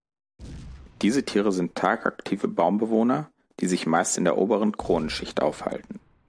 Diese Tiere sind tagaktive Baumbewohner, die sich meist in der oberen Kronenschicht aufhalten.